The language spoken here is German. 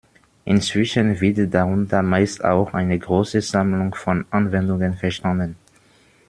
Inzwischen wird darunter meist auch eine große Sammlung von Anwendungen verstanden.